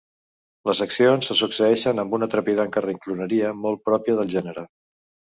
Les accions se succeeixen amb una trepidant carrincloneria molt pròpia del gènere.